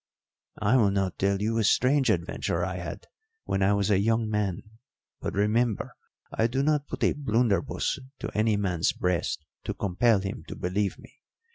"I will now tell you a strange adventure I had when I was a young man; but remember I do not put a blunderbuss to any man's breast to compel him to believe me.